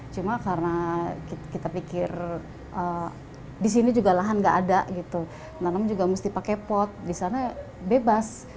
cuma karena kita pikir di sini juga lahan tidak ada menanam juga mesti pakai pot di sana bebas